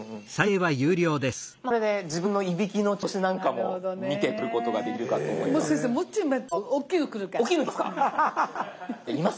これで自分のいびきの調子なんかも見て取ることができるかと思います。